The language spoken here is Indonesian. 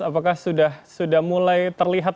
apakah sudah mulai terlihat